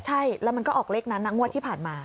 ใช่แล้วมันก็ออกเลขนั้นนะงวดที่ผ่านมา